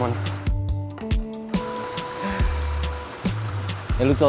emang tau aja lu mon